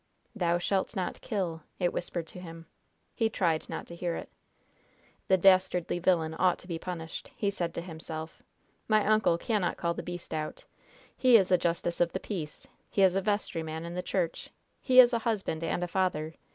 "Thou shalt not kill!" it whispered to him. He tried not to hear it. "The dastardly villain ought to be punished," he said to himself. "My uncle cannot call the beast out. He is a justice of the peace; he is a vestryman in the church; he is a husband and a father.